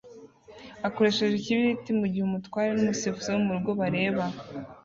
akoresheje ikibiriti mugihe umutware numusifuzi wo murugo bareba